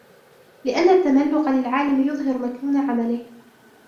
لِأَنَّ التَّمَلُّقَ لِلْعَالِمِ يُظْهِرُ مَكْنُونَ عَمَلِهِ